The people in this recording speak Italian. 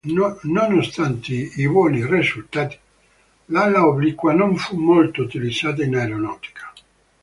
Nonostante i buoni risultati, l'ala obliqua non fu molto utilizzata in aeronautica.